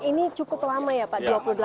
ini cukup lama ya pak